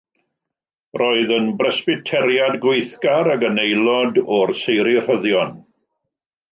Roedd yn Bresbyteriad gweithgar ac yn aelod o'r Seiri Rhyddion.